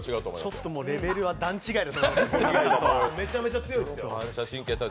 ちょっとレベルは段違いだと思います。